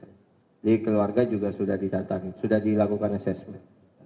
jadi keluarga juga sudah didatangi sudah dilakukan asesmen